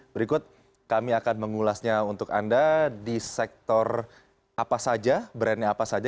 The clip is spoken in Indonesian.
berikut kami akan mengulasnya untuk anda di sektor apa saja brandnya apa saja